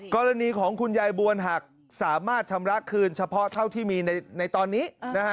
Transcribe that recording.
กรณีของคุณยายบวนหักสามารถชำระคืนเฉพาะเท่าที่มีในตอนนี้นะฮะ